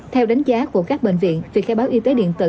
theo đánh giá của các bệnh viện việc khai báo y tế điện tử